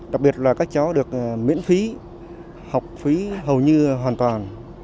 đặc biệt là các cháu được miễn phí học phí hầu như hoàn toàn